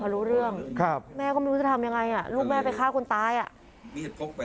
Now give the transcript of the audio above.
รู้เรื่องแม่ก็ไม่รู้จะทำยังไงอ่ะลูกแม่ไปฆ่าคนตายอ่ะ